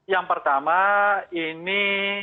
yang pertama ini